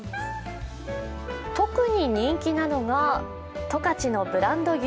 特に人気なのが十勝のブランド牛